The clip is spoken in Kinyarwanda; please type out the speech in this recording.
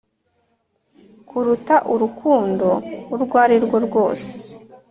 kuruta urukundo urwo arirwo rwose